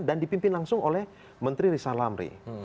dan dipimpin langsung oleh menteri rizal lamri